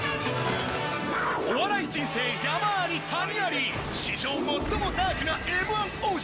お笑い人生山あり谷あり、史上最もダークなＭー１王者。